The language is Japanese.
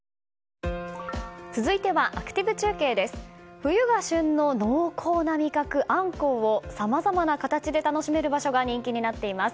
冬が旬の濃厚な味覚あんこうをさまざまな形で楽しめる場所が人気になっています。